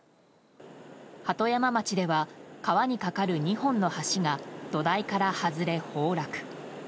鳩山町では川に架かる２本の橋が土台から外れ崩落。